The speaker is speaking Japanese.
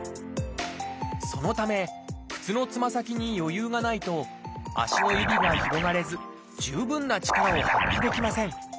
そのため靴のつま先に余裕がないと足の指が広がれず十分な力を発揮できません。